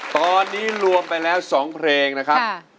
ตอนนี้รวมไปแล้ว๒เพลงนะครับ